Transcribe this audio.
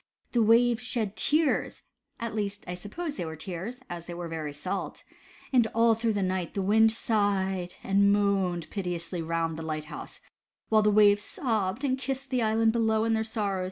The waves shed tears (at least, I suppose they were tears, as they were very salt) and all through the night, the wind sighed and moaned piteously round the light house, while the waves sobbed and kissed the island below, in their sorrow.